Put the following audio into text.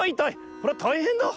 これはたいへんだ。